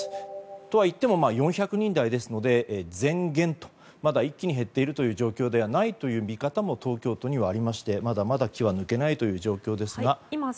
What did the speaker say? とはいっても４００人台ですので漸減という一気に減っている状態ではないという見方も東京都にはありましてまだまだ気は抜けない状況です。